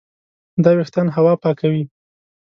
دا وېښتان هوا پاکوي.